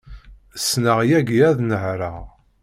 Ssneɣ yagi ad nehṛeɣ.